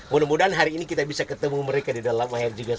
mudah mudahan hari ini kita bisa ketemu mereka di dalam air juga